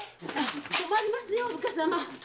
困りますよお武家様！